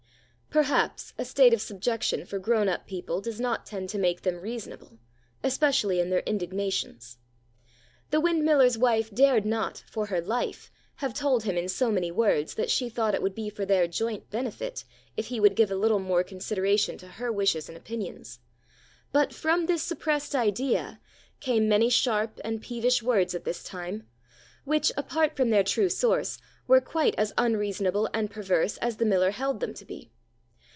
Perhaps a state of subjection for grown up people does not tend to make them reasonable, especially in their indignations. The windmiller's wife dared not, for her life, have told him in so many words that she thought it would be for their joint benefit if he would give a little more consideration to her wishes and opinions; but from this suppressed idea came many sharp and peevish words at this time, which, apart from their true source, were quite as unreasonable and perverse as the miller held them to be.